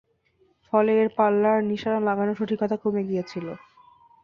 ফলে এর পাল্লা আর নিশানা লাগানোর সঠিকতা কমে গিয়েছিলো।